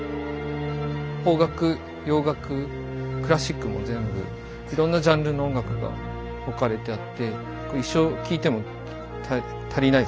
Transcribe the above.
邦楽洋楽クラッシックも全部いろんなジャンルの音楽が置かれてあって。